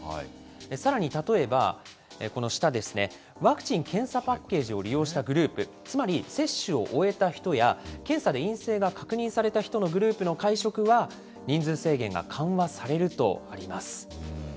さらに例えば、この下ですね、ワクチン・検査パッケージを利用したグループ、つまり接種を終えた人や検査で陰性が確認された人のグループの会食は、人数制限が緩和されるとあります。